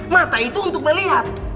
mata itu untuk melihat